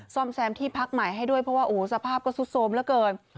ซ่อมแซมที่พักใหม่ให้ด้วยเพราะว่าโอ้สภาพก็สุดโทรมเหลือเกิน